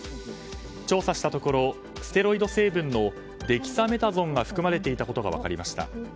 調査したところステロイド成分のデキサメタゾンが含まれていたことが分かりました。